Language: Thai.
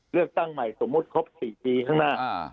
เลือกตั้งใหม่สมมุติครบ๔ปีข้างหน้า